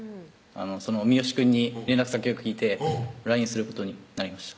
ミヨシくんに連絡先を聞いてＬＩＮＥすることになりました